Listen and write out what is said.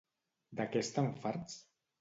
De què estan farts?